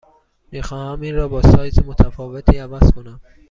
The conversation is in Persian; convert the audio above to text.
می خواهم این را با سایز متفاوتی عوض کنم.